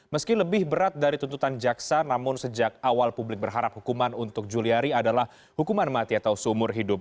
meski lebih berat dari tuntutan jaksa namun sejak awal publik berharap hukuman untuk juliari adalah hukuman mati atau seumur hidup